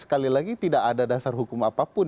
sekali lagi tidak ada dasar hukum apapun